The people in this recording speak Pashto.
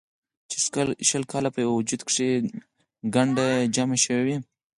چې شل کاله پۀ يو وجود کښې ګند جمع شوے وي